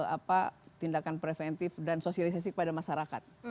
apa tindakan preventif dan sosialisasi kepada masyarakat